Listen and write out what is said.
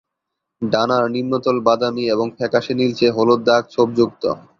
ডানার নিম্নতল বাদামী এবং ফ্যাকাসে নীলচে হলুদ দাগ ছোপ যুক্ত।